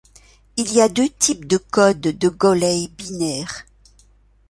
Il y a deux types de codes de Golay binaire.